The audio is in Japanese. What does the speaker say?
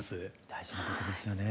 大事なことですよね。